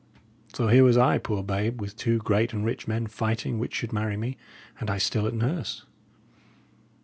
So here was I, poor babe, with two great and rich men fighting which should marry me, and I still at nurse!